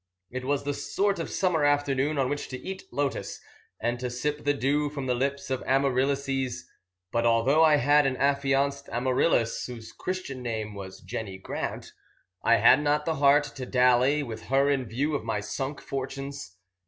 It was the sort of summer afternoon on which to eat lotus, and to sip the dew from the lips of Amaryllises; but although I had an affianced Amaryllis (whose Christian name was Jenny Grant), I had not the heart to dally with her in view of my sunk fortunes.